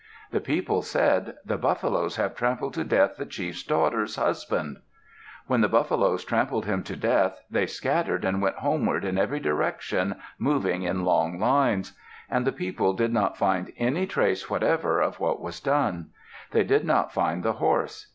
The people said, "The buffaloes have trampled to death the chief's daughter's husband." When the buffaloes trampled him to death, they scattered and went homeward in every direction, moving in long lines. And the people did not find any trace whatever of what was done. They did not find the horse.